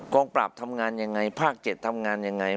งปราบทำงานยังไงภาค๗ทำงานยังไง